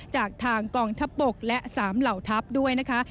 จากทางกองทัพบกและ๓เหล่าทัพด้วยนะคะ